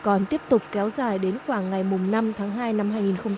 còn tiếp tục kéo dài đến khoảng ngày năm tháng hai năm hai nghìn một mươi tám